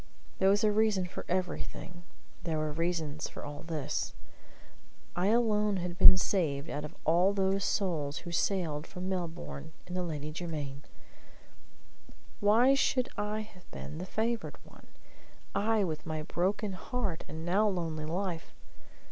There was a reason for everything; there were reasons for all this. I alone had been saved out of all those souls who sailed from Melbourne in the Lady Jermyn. Why should I have been the favored one; I with my broken heart and now lonely life?